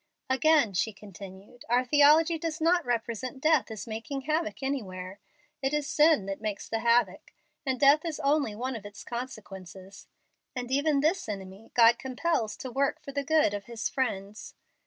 "Again," she continued, "our theology does not represent death as making havoc anywhere. It is sin that makes the havoc, and death is only one of its consequences. And even this enemy God compels to work for the good of His friends.